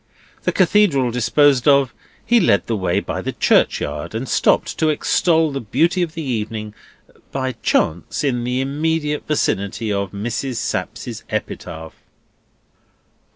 The Cathedral disposed of, he led the way by the churchyard, and stopped to extol the beauty of the evening—by chance—in the immediate vicinity of Mrs. Sapsea's epitaph.